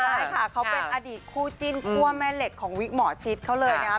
ใช่ค่ะเขาเป็นอดีตคู่จิ้นคั่วแม่เหล็กของวิกหมอชิดเขาเลยนะครับ